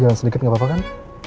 jalan sedikit gak apa apa kan